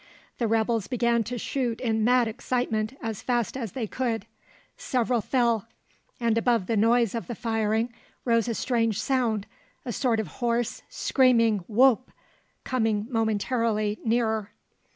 The rebels began to shoot in mad excitement as fast as they could; several fell, and above the noise of the firing rose a strange sound, a sort of hoarse, screaming whoop, coming momentarily nearer.